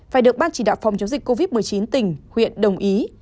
phải được ban chỉ đạo phòng chống dịch covid một mươi chín tỉnh huyện đồng ý